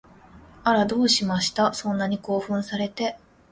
あら、どうしました？そんなに興奮されて